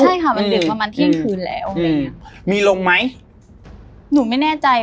ใช่ค่ะมันเดือนมันเที่ยงคืนแล้วเออมีลงไหมหนูไม่แน่ใจ